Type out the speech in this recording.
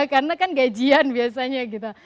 karena kan gajian biasanya gitu